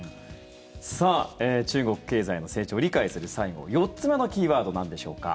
さあ中国経済の成長を理解する最後、４つ目のキーワードなんでしょうか？